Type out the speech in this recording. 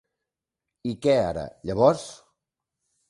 I què era, llavors?